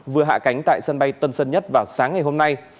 vừa hạ cánh tại sân bay tân sơn nhất vào sáng ngày hôm nay